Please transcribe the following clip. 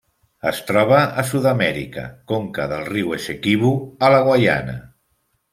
Es troba a Sud-amèrica: conca del riu Essequibo a la Guaiana.